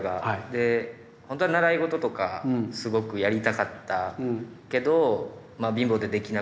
で本当は習い事とかすごくやりたかったけど貧乏でできなくて。